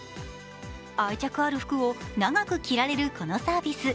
愛着ある服を長く着られるこのサービス。